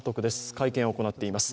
会見を行っています。